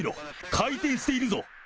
回転しているぞ。